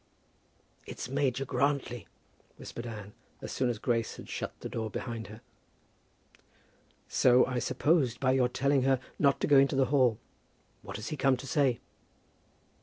"It's Major Grantly," whispered Anne, as soon as Grace had shut the door behind her. "So I supposed by your telling her not to go into the hall. What has he come to say?"